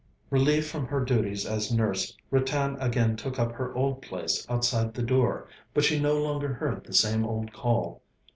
Relieved from her duties as nurse, Ratan again took up her old place outside the door. But she no longer heard the same old call.